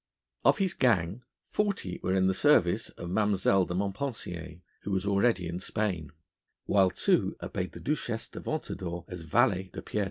Of his gang, forty were in the service of Mlle. de Montpensier, who was already in Spain; while two obeyed the Duchesse de Ventadour as valets de pied.